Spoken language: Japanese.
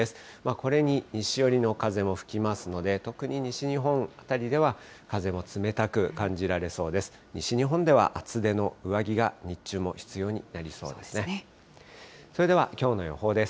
これに西寄りの風も吹きますので、特に西日本辺りでは風も冷たく感じられそうです。